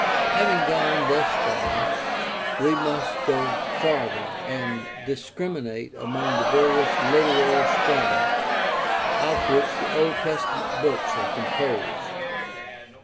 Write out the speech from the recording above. Having gone thus far, we must go farther and discriminate among the various literary strata of which the Old Testament books are composed.